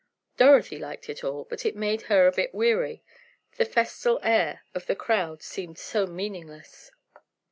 Dorothy liked it all, but it made her a bit weary; the festal air of the crowd did seem so meaningless.